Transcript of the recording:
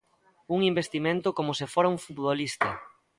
Un investimento como se fora un futbolista.